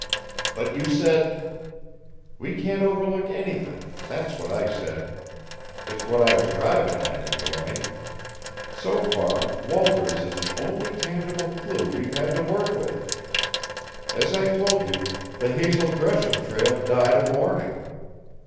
"But you said " "We can't overlook anything that's what I said. It's what I was driving at, anyway. So far, Walters is the only tangible clue we've had to work with. As I told you, the Hazel Gresham trail died a borning.